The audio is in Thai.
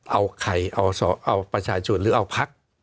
เอาใครเอาประชาชนหรือเอาพัก